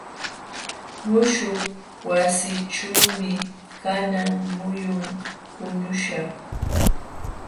Muśhuq wasiićhuumi kanan muyun puñuśhaq.